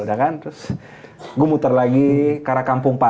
terus gue muter lagi ke kampung padat